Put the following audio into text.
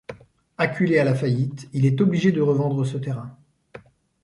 Acculé à la faillite, il est obligé de revendre ce terrain.